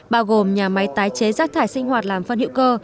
bao gồm nhà máy tái chế rác thải sinh hoạt làm phân hữu cơ